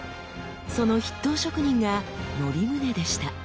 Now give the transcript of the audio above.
その筆頭職人が則宗でした。